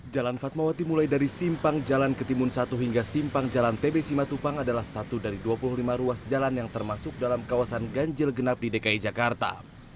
jalan fatmawati mulai dari simpang jalan ketimun satu hingga simpang jalan tb simatupang adalah satu dari dua puluh lima ruas jalan yang termasuk dalam kawasan ganjil genap di dki jakarta